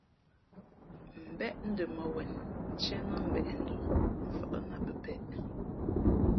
Mbéʼ ndα̌ mά wen tíé nά mbeʼ ndαh mfάʼ nά ā pəpēʼ.